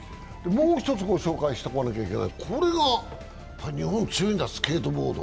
もう１つ、紹介しとかなきゃならないのはこれ、日本、強いんだスケートボード。